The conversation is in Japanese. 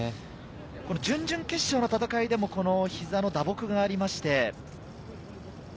準々決勝の戦いでもひざの打撲がありまして。